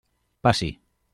Passi.